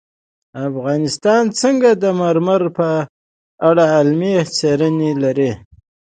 افغانستان د سنگ مرمر په اړه علمي څېړنې لري.